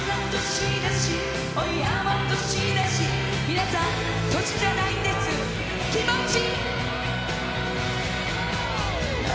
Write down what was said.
皆さん、年じゃないんです、気持ち。